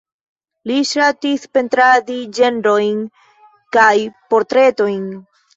Li ŝatis pentradi ĝenrojn kaj portretojn.